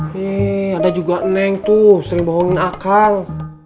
ini ada juga neng tuh sering bohongin akang